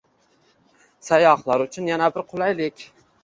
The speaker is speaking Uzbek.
Sayyohlar uchun yana bir qulaylik